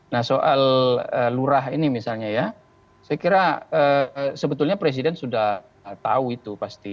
nah soal lurah ini misalnya ya saya kira sebetulnya presiden sudah tahu itu pasti